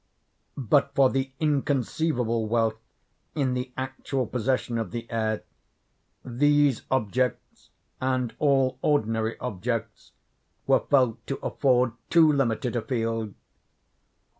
But for the inconceivable wealth in the actual possession of the heir, these objects and all ordinary objects were felt to afford too limited a field.